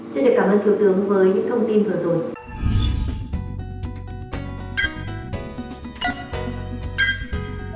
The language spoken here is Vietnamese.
xin cảm ơn thiếu tướng với những thông tin vừa rồi